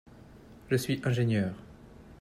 Je suis ingénieur.